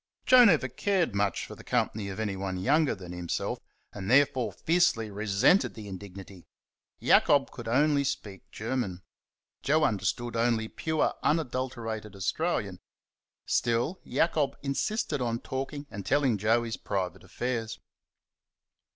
Joe never cared much for the company of anyone younger than himself, and therefore fiercely resented the indignity. Jacob could speak only German Joe understood only pure unadulterated Australian. Still Jacob insisted on talking and telling Joe his private affairs.